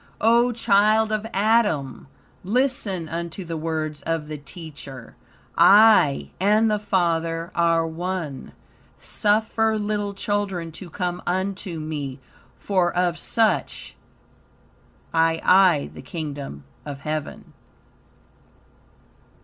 O child of Adam! Listen unto the words of the Teacher: "I and the Father are one." Suffer little children to come unto me, for of such ii the Kingdom of Heaven."